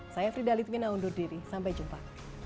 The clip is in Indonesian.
saya frida litwina undur diri sampai jumpa